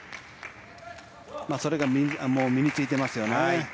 それが身についてますよね。